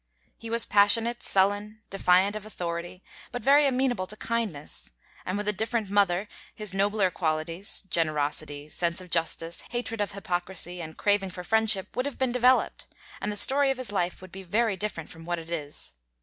He was passionate, sullen, defiant of authority, but very amenable to kindness; and with a different mother his nobler qualities, generosity, sense of justice, hatred of hypocrisy, and craving for friendship would have been developed, and the story of his life would be very different from what it is.